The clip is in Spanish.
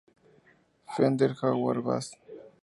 Fender Jaguar Bass.